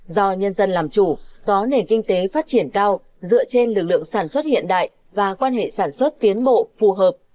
do nhân dân làm chủ có nền kinh tế phát triển cao dựa trên lực lượng sản xuất hiện đại và quan hệ sản xuất tiến bộ phù hợp